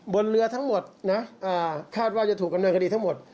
บนเรือทั้งหมดนะคาดว่าจะถูกดำเนินคดีทั้งหมด